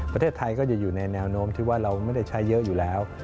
ประเทศไทยก็จะอยู่ในแนวโน้มที่ว่าเราไม่ได้ใช้เยอะอยู่แล้ว